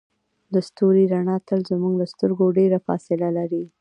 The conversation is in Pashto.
د ستوري رڼا تل زموږ له سترګو ډیره فاصله لري.